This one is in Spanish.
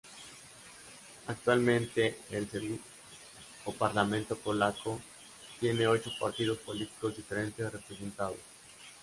Actualmente el Sejm, o parlamento polaco, tiene ocho partidos políticos diferentes representados.